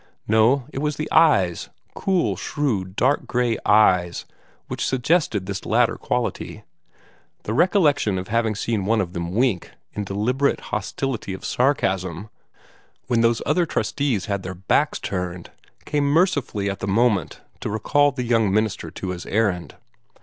No; it was the eyes, cool, shrewd, dark gray eyes, which suggested this latter quality. The recollection of having seen one of them wink, in deliberate hostility of sarcasm, when those other trustees had their backs turned, came mercifully at the moment to recall the young minister to his errand.